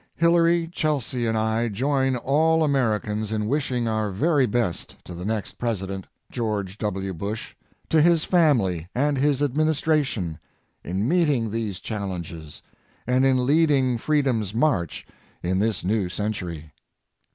Hillary, Chelsea and I join all Americans in wishing our very best to the next president, George W. Bush, to his family and his administration, in meeting these challenges and in leading freedom's march in this new century.